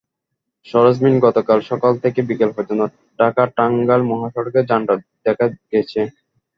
সরেজমিনে গতকাল সকাল থেকে বিকেল পর্যন্ত ঢাকা-টাঙ্গাইল মহাসড়কে যানজট দেখা গেছে।